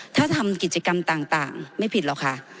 ถ้าทำกิจกรรมต่างไม่ผิดหรอกค่ะ